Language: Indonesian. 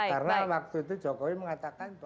karena waktu itu jokowi mengatakan bahwa